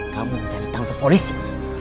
kamu bisa ditangkap polisi